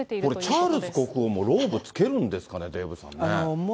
これ、チャールズ国王も、ローブつけるんですかね、デーブさんね。